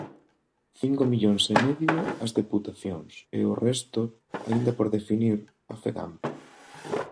Cinco millóns e medio as deputacións e o resto, aínda por definir, a Fegamp.